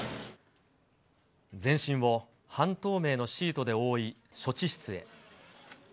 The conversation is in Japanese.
全身を半透明のシートで覆い、処置室へ。